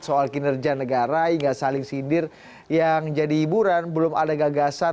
soal kinerja negara hingga saling sindir yang jadi hiburan belum ada gagasan